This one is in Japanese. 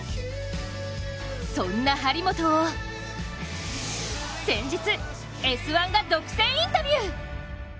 そんな張本を先日、「Ｓ☆１」が独占インタビュー。